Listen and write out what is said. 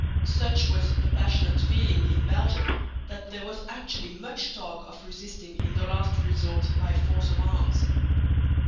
Such was the passionate feeling in Belgium that there was actually much talk of resisting in the last resort by force of arms.